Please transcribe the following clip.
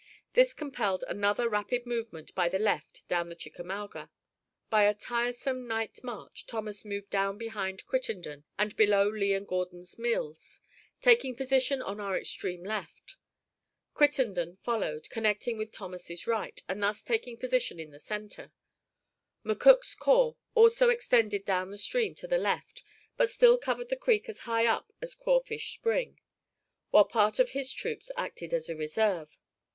This compelled another rapid movement by the left down the Chickamauga. By a tiresome night march Thomas moved down behind Crittenden and below Lee and Gordon's Mills, taking position on our extreme left. Crittenden followed, connecting with Thomas's right, and thus taking position in the center. McCook's corps also extended down stream to the left, but still covered the creek as high up as Crawfish Spring, while part of his troops acted as a reserve.